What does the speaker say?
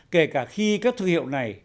kể cả khi các thương hiệu này